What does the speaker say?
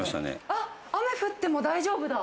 あっ、雨降っても大丈夫だ。